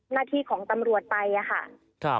หน้าที่ของตำรวจไปอะค่ะ